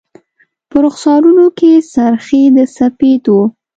په رخسارونو کي سر خې د سپید و